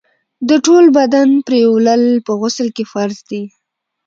د ټول بدن پرېولل په غسل کي فرض دي.